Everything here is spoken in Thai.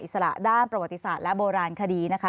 สระด้านประวัติศาสตร์และโบราณคดีนะคะ